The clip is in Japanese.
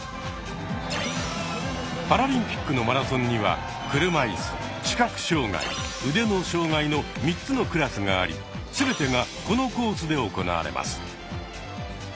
パラリンピックのマラソンには車いす視覚障害腕の障害の３つのクラスがあり全てがこのコースで行われます。